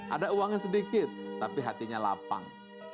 ada uangnya sedikit tapi hatinya lapang